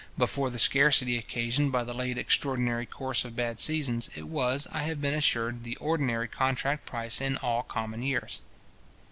Before the scarcity occasioned by the late extraordinary course of bad seasons, it was, I have been assured, the ordinary contract price in all common years.